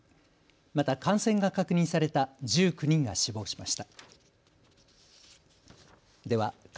また感染が確認された１９人が死亡しました。